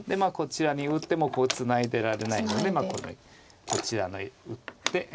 こちらに打ってもツナいでいられないのでこのようにこちらに打って。